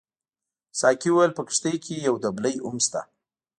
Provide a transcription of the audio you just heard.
ساقي وویل په کښتۍ کې یو دبلۍ هم شته.